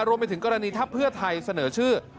รวมไปถึงกรณีถ้าเพื่อไทยเสนอชื่อ